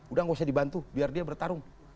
udah gak usah dibantu biar dia bertarung